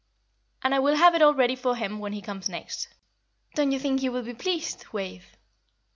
And I will have it all ready for him when he comes next. Don't you think he would be pleased, Wave?"